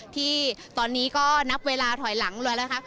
ที่ตอนนี้ก็นับเวลาถอยหลังเลยนะคะ